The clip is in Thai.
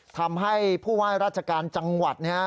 ทำให้ผู้ว่าราชการจังหวัดนะฮะ